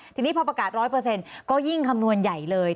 ทีนี้พอประกาศ๑๐๐ก็ยิ่งคำนวณใหญ่เลย